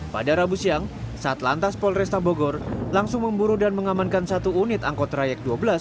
pada rabu siang saat lantas polresta bogor langsung memburu dan mengamankan satu unit angkot trayek dua belas